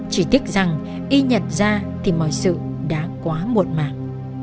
chỉ tiếc rằng y nhật ra thì mọi sự đã quá muộn màng